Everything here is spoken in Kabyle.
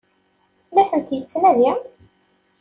La tent-yettnadi?